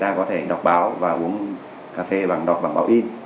như trước đây thì người ta có thể đọc báo và uống cà phê bằng đọc bằng báo in